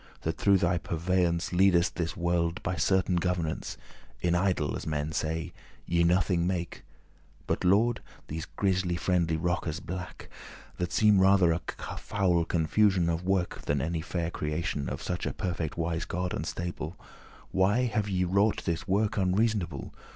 that through thy purveyance Leadest this world by certain governance, *In idle,* as men say, ye nothing make; *idly, in vain* But, Lord, these grisly fiendly rockes blake, That seem rather a foul confusion Of work, than any fair creation Of such a perfect wise God and stable, Why have ye wrought this work unreasonable?